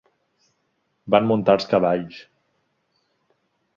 Van muntar els cavalls.